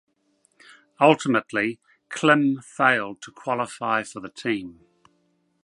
Ultimately Klim failed to qualify for the team.